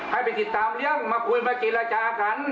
ให้ไปติดตามเรื่องมาคุยมาเจรจากัน